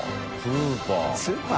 スーパー？